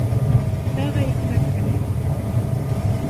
Тағы икмәк кәрәк ине.